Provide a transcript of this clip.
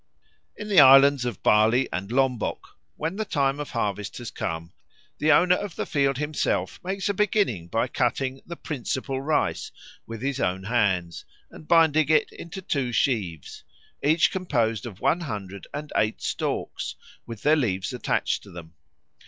In the islands of Bali and Lombok, when the time of harvest has come, the owner of the field himself makes a beginning by cutting "the principal rice" with his own hands and binding it into two sheaves, each composed of one hundred and eight stalks with their leaves attached to them.